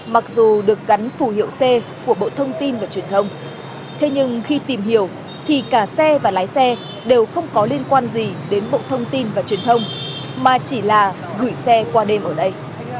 mặc dù được gắn phù hiệu c của bộ thông tin và truyền thông thế nhưng khi tìm hiểu thì cả xe và lái xe đều không có liên quan gì đến bộ thông tin và truyền thông mà chỉ là gửi xe qua đêm ở đây